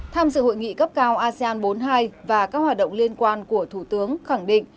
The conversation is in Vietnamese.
tham dự hội nghị cấp cao asean bốn mươi hai và các hoạt động liên quan của thủ tướng khẳng định